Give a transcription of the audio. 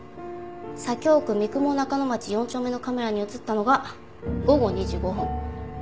左京区三雲中ノ町４丁目のカメラに映ったのが午後２時５分。